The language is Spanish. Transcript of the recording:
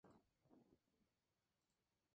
Su padre es de Gambia y su madre es noruega.